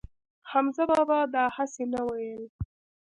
حمزه بابا دا هسې نه وييل